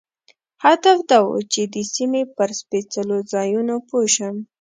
هدف دا و چې د سیمې پر سپېڅلو ځایونو پوه شم.